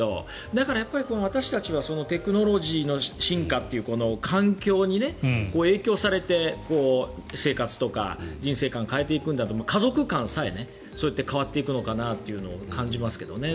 だから、私たちはテクノロジーの進化っていうこの環境に影響されて、生活とか人生観を変えていくんだと家族観さえそうやって変わっていくのかなと感じますけどね。